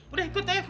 udah ikut aja keluar